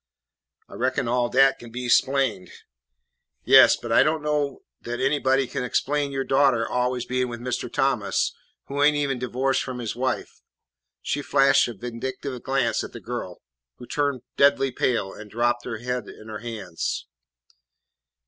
"I reckon all dat kin be 'splained." "Yes, but I don't know that anybody kin 'splain your daughter allus being with Mr. Thomas, who ain't even divo'ced from his wife." She flashed a vindictive glance at the girl, who turned deadly pale and dropped her head in her hands.